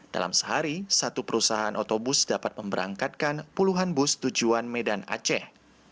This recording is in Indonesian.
dalam sehari satu perusahaan otobus dapat memberangkatkan puluhan bus tujuan medan aceh